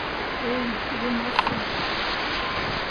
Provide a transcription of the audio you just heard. Эй, юмашне.